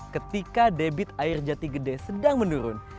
ketika debit air jatigede sedang menurun